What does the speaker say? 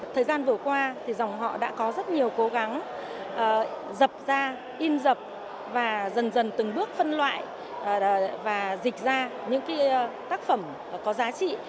thời gian vừa qua thì dòng họ đã có rất nhiều cố gắng dập ra in dập và dần dần từng bước phân loại và dịch ra những tác phẩm có giá trị